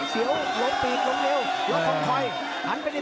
เจ้าสองเจ้าสอง